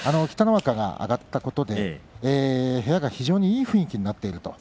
北の若が上がったことで部屋が非常にいい雰囲気になっている。